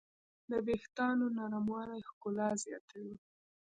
د وېښتیانو نرموالی ښکلا زیاتوي.